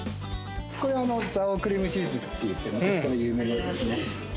これ蔵王クリームチーズっていって昔から有名なやつですね。